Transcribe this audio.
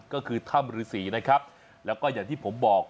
ก็คือถ้ำฤษีนะครับแล้วก็อย่างที่ผมบอก